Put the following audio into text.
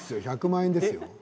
１００万円ですよ。